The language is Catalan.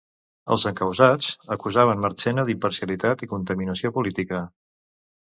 Els encausats acusaven Marchena d'imparcialitat i contaminació política.